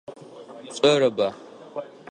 Пшӏэрэба?